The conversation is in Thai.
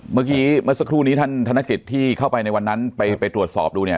เมื่อสักครู่นี้ท่านธนกิจที่เข้าไปในวันนั้นไปตรวจสอบดูเนี่ย